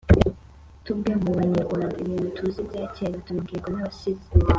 twebwe mu banyarwanda ibintu tuzi bya cyera tubibwirwa n’abasizi